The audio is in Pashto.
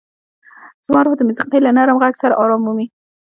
زما روح د موسیقۍ له نرم غږ سره ارام مومي.